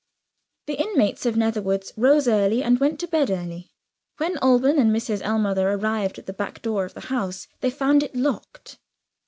The inmates of Netherwoods rose early, and went to bed early. When Alban and Mrs. Ellmother arrived at the back door of the house, they found it locked.